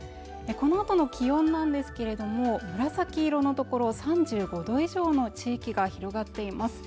このあとの気温なんですけれども紫色の所３５度以上の地域が広がっています